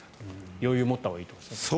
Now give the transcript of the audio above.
余裕を持ったほうがいいということですね。